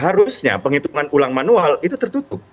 harusnya penghitungan ulang manual itu tertutup